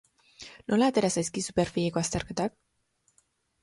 Nola atera zaizkizu perfileko azterketak?